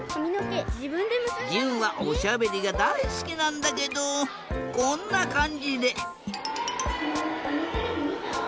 じゅんはおしゃべりがだいすきなんだけどこんなかんじで。